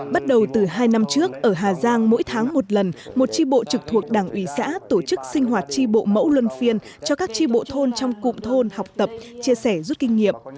bắt đầu từ hai năm trước ở hà giang mỗi tháng một lần một tri bộ trực thuộc đảng ủy xã tổ chức sinh hoạt tri bộ mẫu luân phiên cho các tri bộ thôn trong cụm thôn học tập chia sẻ rút kinh nghiệm